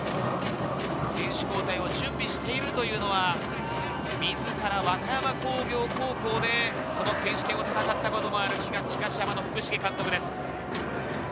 選手交代の準備をしているというのは、自ら和歌山工業高校で選手権を戦ったこともある東山の福重監督です。